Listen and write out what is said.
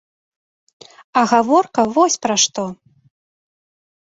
А гаворка вось пра што.